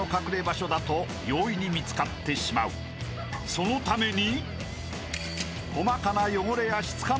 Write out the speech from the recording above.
［そのために］